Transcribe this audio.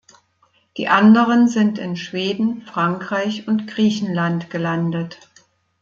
Die anderen sind in Schweden, Frankreich und Griechenland gelandet.